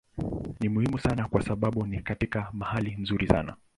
Ni muhimu sana kwa sababu ni katika mahali nzuri sana.